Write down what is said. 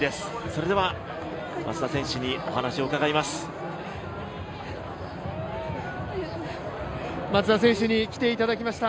それでは松田選手にお話を伺います。